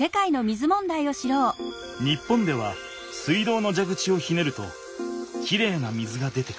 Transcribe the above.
日本では水道のじゃぐちをひねるときれいな水が出てくる。